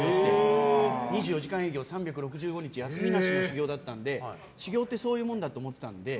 ２４時間営業３６５日休みなしの修行だったので修行ってそういうものだと思っていたので。